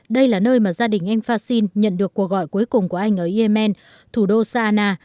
đây là nơi mà gia đình anh fassin nhận được cuộc gọi cuối cùng của anh ở yemen thủ đô sahana